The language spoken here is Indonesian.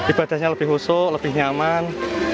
ibadahnya lebih husuk lebih nyaman